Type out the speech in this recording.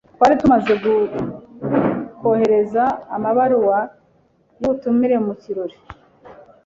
Twari tumaze kohereza amabaruwa y'ubutumire mu kirori.